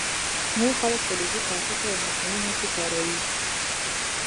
نور خلک فلزي قاشقې او مصنوعي مچۍ کاروي